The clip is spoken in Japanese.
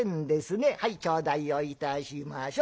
はい頂戴をいたしましょ。